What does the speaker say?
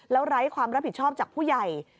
แล้วไร้ความรับผิดชอบจากผู้ใหญ่